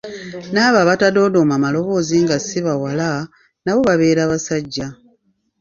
Naabo abatadoodooma maloboozi nga si bawala, nabo babeera basajja.